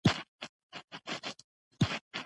د مېلو پر مهال خلک خپل دودیز اشعار وايي.